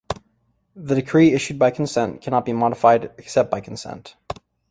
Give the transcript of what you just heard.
The decree issued by consent cannot be modified, except by consent.